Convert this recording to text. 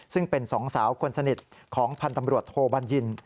ซึ่งเป็นสองสาวคนสนิทของพันธ์ตำรวจโทบัญญิน